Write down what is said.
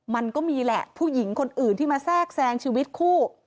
มันก็มีแหละผู้หญิงคนอื่นที่มาแทรกแซงชีวิตคู่